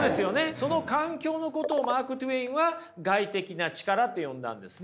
その環境のことをマーク・トウェインは「外的な力」って呼んだんですね。